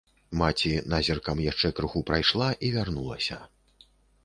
Маці назіркам яшчэ крыху прайшла і вярнулася.